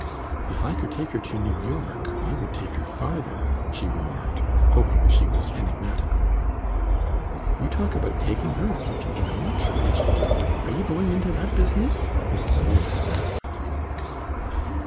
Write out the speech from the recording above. "If I could take her to New York, I would take her farther," she remarked, hoping she was enigmatical. "You talk about 'taking' her, as if you were a lecture agent. Are you going into that business?" Mrs. Luna asked.